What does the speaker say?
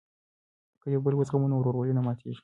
که یو بل وزغمو نو ورورولي نه ماتیږي.